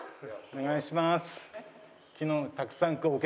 お願いします。